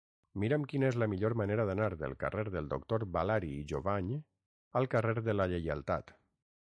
Mira'm quina és la millor manera d'anar del carrer del Doctor Balari i Jovany al carrer de la Lleialtat.